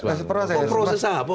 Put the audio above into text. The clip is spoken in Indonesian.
masih proses apa